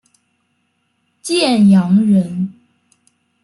建阳人。